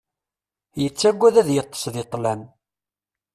Yettagad ad yeṭṭes di ṭṭlam.